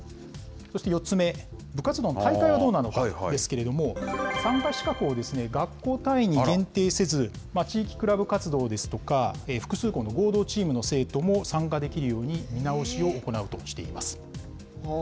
そして４つ目、部活動の大会はどうなるのかですけれども、参加資格を学校単位に限定せず、地域クラブ活動ですとか、複数校の合同チームの生徒も参加できるように見直しを行うとしています。